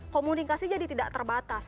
komunikasi jadi tidak terbatas